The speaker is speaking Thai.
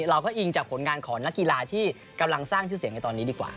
เราก็อิงจากผลงานของนักกีฬาที่กำลังสร้างชื่อเสียงในตอนนี้ดีกว่า